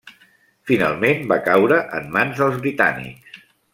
Finalment va caure en mans dels britànics.